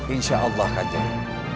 insya allah kanceng